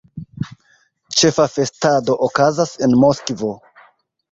Ĉefa festado okazas en Moskvo.